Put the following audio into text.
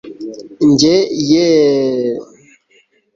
njye yeeeh